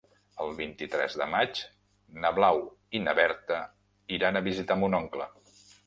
El vint-i-tres de maig na Blau i na Berta iran a visitar mon oncle.